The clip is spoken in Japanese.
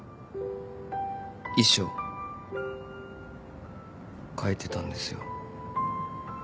遺書書いてたんですよ。